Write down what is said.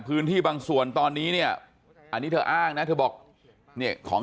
พื้นที่บางส่วนตอนนี้เนี่ยอันนี้เธออ้างนะเธอบอกเนี่ยของ